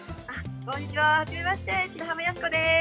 こんにちは、はじめまして白浜泰子です。